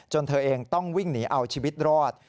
เธอเองต้องวิ่งหนีเอาชีวิตรอด